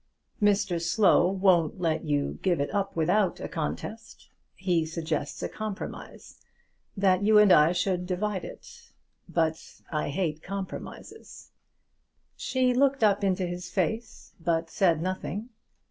"Mr Slow won't let you give it up without a contest. He suggested a compromise, that you and I should divide it. But I hate compromises." She looked up into his face but said nothing.